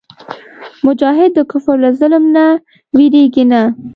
مجاهد د کفر له ظلم نه وېرېږي نه.